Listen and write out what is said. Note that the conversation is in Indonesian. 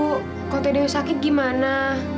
kalau tadewi sakit gimana